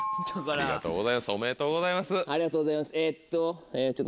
ありがとうございますえっと。